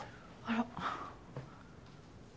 あら。